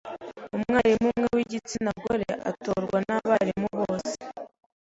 Umwarimu umwe w’igitsina gore utorwa n’abarimu bose;